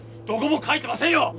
どこも書いてませんよ！